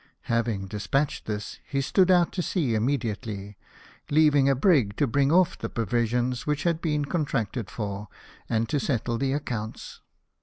Having despatched this, he stood out to sea imme diately, leaving a brig to bring off the provisions which had been contracted for, and to settle the accounts.